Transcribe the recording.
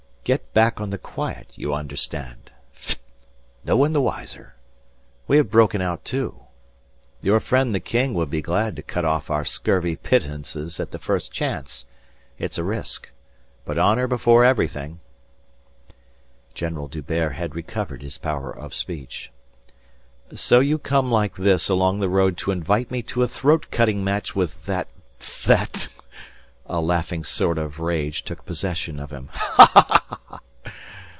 "Get back on the quiet you understand? Phitt! No one the wiser. We have broken out, too. Your friend the king would be glad to cut off our scurvy pittances at the first chance. It's a risk. But honour before everything." General D'Hubert had recovered his power of speech. "So you come like this along the road to invite me to a throat cutting match with that that..." A laughing sort of rage took possession of him. "Ha! ha! ha! ha!"